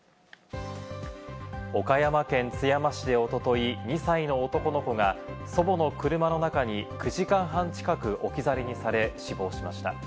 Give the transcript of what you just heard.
岡山県津山市でおととい、２歳の男の子が祖母の車の中に９時間半近く置き去りにされ死亡しました。